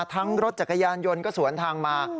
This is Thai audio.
รถจักรยานยนต์ก็สวนทางมา